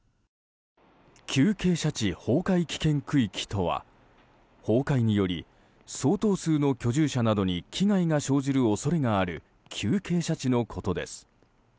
急傾斜地崩壊危険区域とは崩壊により相当数の居住者などに危害が生じる恐れがある急傾斜地のことです。